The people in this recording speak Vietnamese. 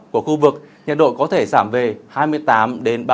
của khu vực nhật độ có thể giảm về